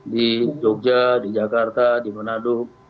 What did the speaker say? di jogja di jakarta di manado